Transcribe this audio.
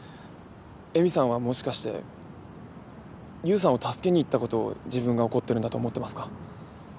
恵美さんはもしかして優さんを助けに行ったことを自分が怒ってるんだと思ってますか？